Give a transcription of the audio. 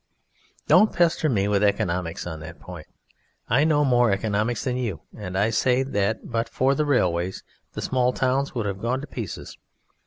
Don't pester me with "economics" on that point; I know more economics than you, and I say that but for the railways the small towns would have gone to pieces.